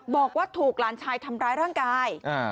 บอกว่าถูกหลานชายทำร้ายร่างกาย